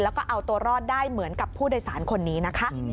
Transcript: แล้วก็เอาตัวรอดได้เหมือนกับผู้โดยสารคนนี้นะคะ